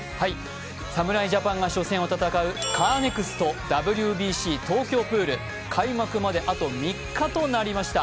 侍ジャパンが初戦を戦うカーネクストＷＢＣ東京プール開幕まであと３日となりました。